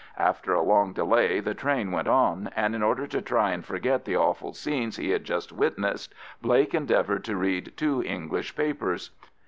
After a long delay the train went on, and in order to try and forget the awful scenes he had just witnessed, Blake endeavoured to read two English papers.